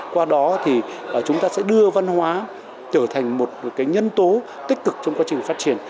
qua đó thì chúng ta sẽ đưa văn hóa trở thành một nhân tố tích cực trong quá trình phát triển